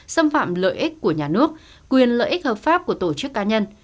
xâm phạm lợi ích của nhà nước quyền lợi ích hợp pháp của tổ chức cá nhân